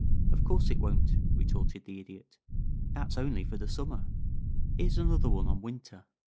"Of course it won't," retorted the Idiot. "That's only for the summer. Here's another one on winter.